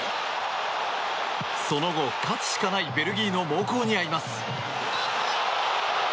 その後、勝つしかないベルギーの猛攻に遭います。